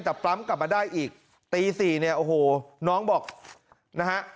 แต่ปั๊มกลับมาได้อีกตี๔เนี่ยโอ้โหน้องบอกนะฮะ